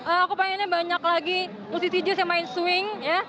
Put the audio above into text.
aku pengennya banyak lagi musisi jus yang main swing